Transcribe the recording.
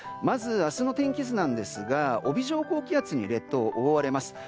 まず明日の天気図なんですが帯状高気圧に列島が覆われます。